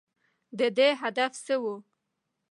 د ده هدف څه و ؟